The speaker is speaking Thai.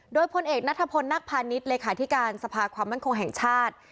โดยพลเอกนัทพลนักพาณิชย์เลขาธิการสภาความมั่นคงแห่งชาติ